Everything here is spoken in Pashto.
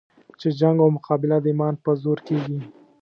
چې جنګ او مقابله د ایمان په زور کېږي.